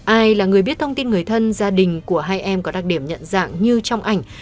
ai là người biết thông tin người thân gia đình của hai em có đặc điểm nhận dạng như trong ảnh